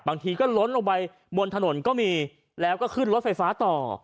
บางทีก็ล้นลงไปบนถนนก็มีแล้วก็ขึ้นรถไฟฟ้าต่อ